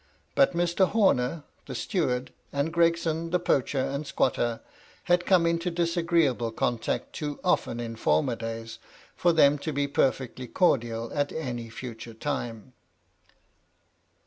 But Mr. Homer, the steward, and Gregson, the poacher and squatter, had come into disagreeable contact too often in former days for them to be perfectly cordial at any future time.